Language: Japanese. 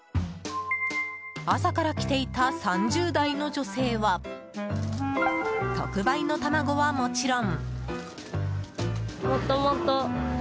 朝から来ていた３０代の女性は特売の卵はもちろん。